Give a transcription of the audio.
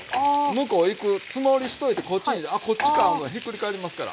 向こう行くつもりしといてこっちにあこっちかひっくり返りますから。